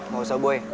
gak usah boy